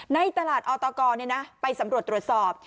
ในตลาดออตกไปสำรวจตรวจสอบ